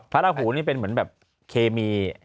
พระราหูนี่เป็นเหมือนแบบเคมี